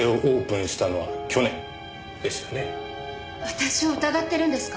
私を疑ってるんですか？